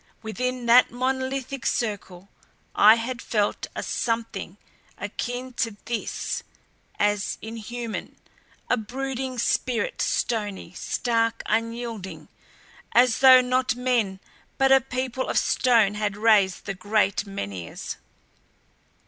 Within that monolithic circle I had felt a something akin to this, as inhuman; a brooding spirit stony, stark, unyielding as though not men but a people of stone had raised the great Menhirs.